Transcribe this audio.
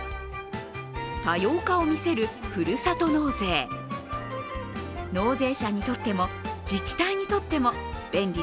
多様化を見せるふるさと納税。